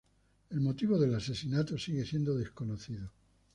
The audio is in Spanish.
El motivo del asesinato sigue siendo desconocido.